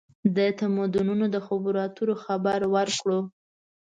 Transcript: د تمدنونو د خبرواترو خبره وکړو.